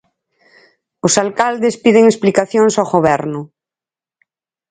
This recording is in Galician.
Os alcaldes piden explicacións ao Goberno.